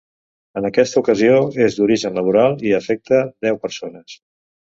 En aquesta ocasió, és d’origen laboral, i afecta deu persones.